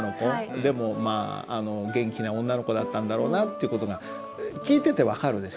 でもまあ元気な女の子だったんだろうなっていう事が聞いてて分かるでしょ。